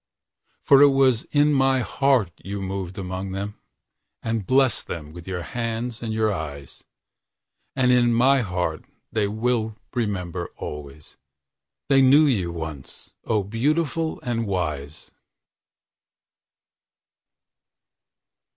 For it was in my heart you moved among them, And blessed them with your hands and with your eyes. And in my heart they will remember always:They knew you once, O beautiful and wise!